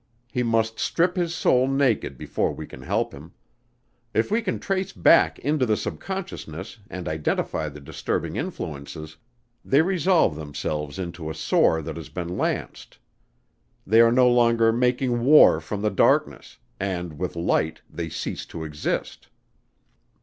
He must strip his soul naked before we can help him. If we can trace back into subconsciousness and identify the disturbing influences, they resolve themselves into a sore that has been lanced. They are no longer making war from the darkness and with light they cease to exist."